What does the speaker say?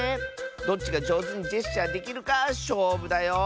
どっちがじょうずにジェスチャーできるかしょうぶだよ。